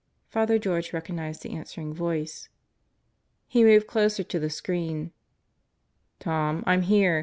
Father George recognized the answering voice. He moved closer to the screen. "Tom, I'm here.